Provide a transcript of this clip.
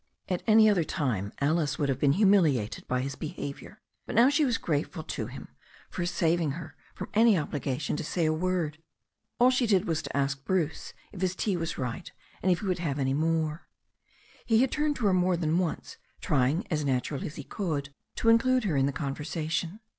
At any other time Alice would have been humiliated by his behaviour, but now she was grateful to him for saving her from any obligation to say a word. All she did was to ask Bruce if his tea was right and if he would have any 26 THE STORY OF A NEW ZEALAND RIVER more. He had turned to her more than once trying as naturally as he could to include her in the conversation.